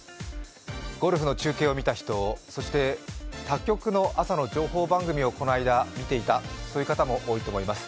ゴルフの中継を見た人、そして他局の朝の情報番組をこの間見ていたという人も多いと思います。